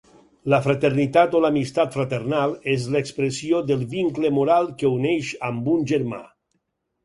La fraternitat o l'amistat fraternal és l'expressió del vincle moral que uneix amb un germà.